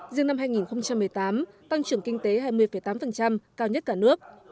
riêng năm hai nghìn một mươi tám tăng trưởng kinh tế hai mươi tám cao nhất cả nước